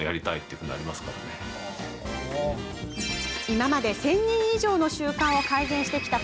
今まで１０００人以上の習慣を改善してきた